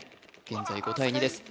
現在５対２です